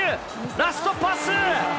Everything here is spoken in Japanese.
ラストパス。